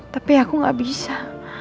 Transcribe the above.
tapi aku gak bisa